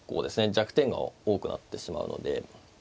弱点が多くなってしまうので。